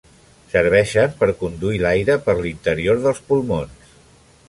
Serveixen per conduir l'aire per l'interior dels pulmons.